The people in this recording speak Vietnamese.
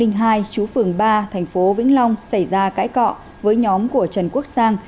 sinh năm hai nghìn hai chú phường ba thành phố vĩnh long xảy ra cãi cọ với nhóm của trần quốc sang